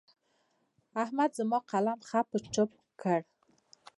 احمد زما قلم خپ و چپ کړ.